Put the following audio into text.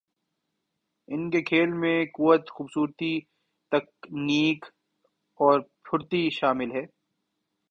ان کے کھیل میں قوت، خوبصورتی ، تکنیک اور پھرتی شامل ہے۔